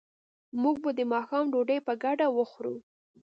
موږ به د ماښام ډوډۍ په ګډه وخورو